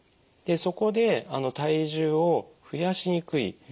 でそこで体重を増やしにくい。